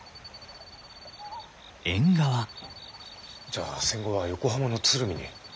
じゃあ戦後は横浜の鶴見に？